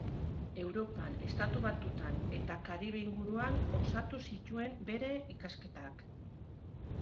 Europan, Estatu Batuetan eta Karibe inguruan osatu zituen bere ikasketak.